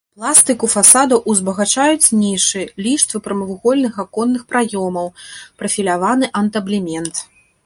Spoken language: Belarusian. Пластыку фасадаў узбагачаюць нішы, ліштвы прамавугольных аконных праёмаў, прафіляваны антаблемент.